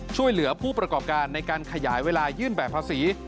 ช่วยเหลือผู้ประกอบการในการขยายเวลายื่นแบบภาษี